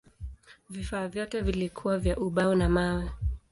Vifaa vyote vilikuwa vya ubao na mawe.